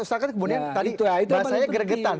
ustaz kan kemudian tadi bahasanya geregetan